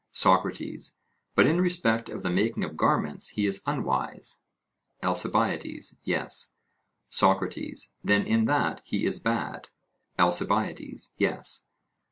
SOCRATES: But in respect of the making of garments he is unwise? ALCIBIADES: Yes. SOCRATES: Then in that he is bad? ALCIBIADES: Yes.